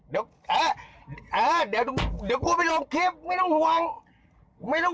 เดี๋ยวเออเออเดี๋ยวเดี๋ยวกูไปลงคลิปไม่ต้องห่วงไม่ต้อง